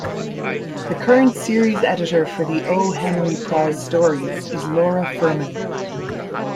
The current series editor for "The O. Henry Prize Stories" is Laura Furman.